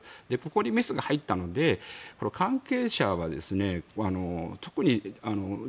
ここにメスが入ったので関係者は特にＪＯＣ